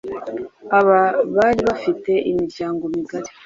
Aba bari bafite imiryango migari